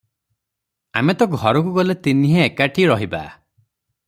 ଆମେ ତ ଘରକୁ ଗଲେ ତିନିହେଁ ଏକାଠି ରହିବା ।